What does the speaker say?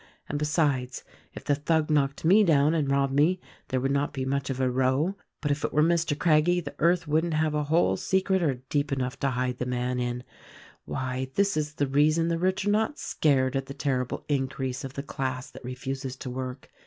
And, besides, if the thug knocked me down and robbed me, there would not be much of a row; but if it were Mr. Craggie, the earth wouldn't have a hole secret or deep enough to hide the man in. Why, this is the reason the rich are not scared at the ter rible increase of the class that refuses to work.